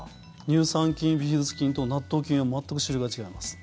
乳酸菌、ビフィズス菌と納豆菌は全く種類が違います。